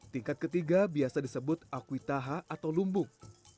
tingkat ketiga disebut akwitaha atau lumbung